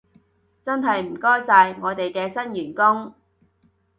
真係唔該晒，我哋嘅新員工